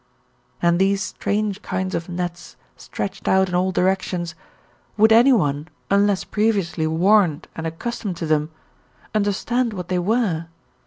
And these strange kinds of nets, stretched out in all directions, would anyone, unless previously warned and accustomed to them, understand what they were?